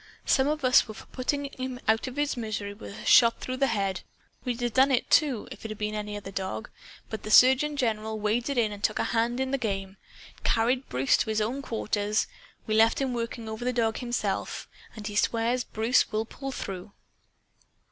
Some of us were for putting him out of his misery with a shot through the head. We'd have done it, too, if it had been any other dog. But the surgeon general waded in and took a hand in the game carried Bruce to his own quarters. We left him working over the dog himself. And he swears Bruce will pull through!"